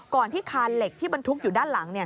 ที่คานเหล็กที่บรรทุกอยู่ด้านหลัง